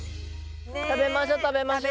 食べましょ、食べましょ。